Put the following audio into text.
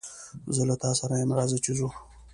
زه له تاسره ېم رازه چې ځو